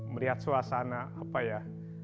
melihat suasana apa ya